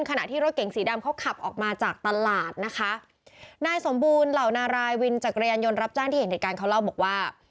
ขณะที่รถเก๋งสีดำเขาขับออกมาจากตลาดนะคะนายสมบูรณ์เหล่านารายวินจักรยานยนต์รับจ้างที่เห็นเหตุการณ์เขาเล่าบอกว่า